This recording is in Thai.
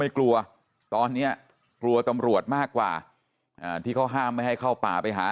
กลัวตอนนี้กลัวตำรวจมากกว่าที่เขาห้ามไม่ให้เข้าป่าไปหา